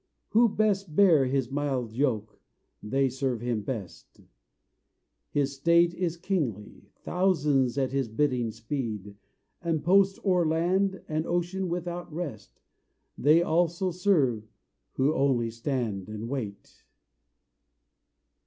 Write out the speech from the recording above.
Who best Bear His mild yoke, they serve Him best: His state Is kingly; thousands at His bidding speed, And post o'er land and ocean without rest: They also serve who only stand and wait."